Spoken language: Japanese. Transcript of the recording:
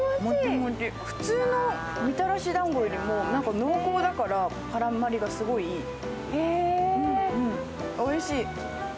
普通のみたらしだんごよりも濃厚だから絡まりがすごいいい、おいしい。